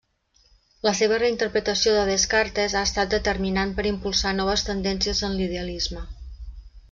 La seva reinterpretació de Descartes ha estat determinant per impulsar noves tendències en l'idealisme.